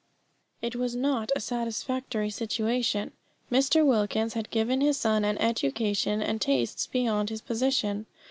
It was not a satisfactory situation. Mr. Wilkins had given his son an education and tastes beyond his position.